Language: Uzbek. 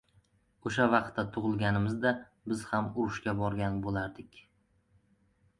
O‘sha vaqtda tug‘ilganimizda biz ham urushga borgan bo‘lardik!